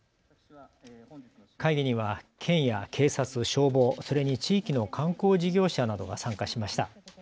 会議には県や警察、消防、それに地域の観光事業者などが参加しました。